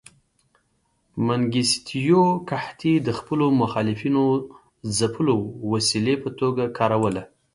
منګیستیو قحطي د خپلو مخالفینو ځپلو وسیلې په توګه کاروله.